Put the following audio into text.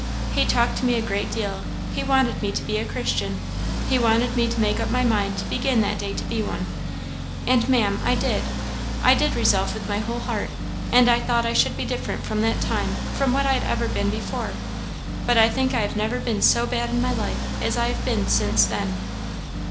He talked to me a great deal he wanted me to be a Christian he wanted me to make up my mind to begin that day to be one and Maam, I did. I did resolve with my whole heart, and I thought I should be different from that time from what I had ever been before. But I think I have never been so bad in my life as I have been since then.